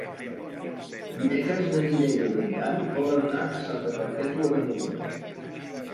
Dimecres na Mireia i en Dan volen anar a Santa Perpètua de Mogoda.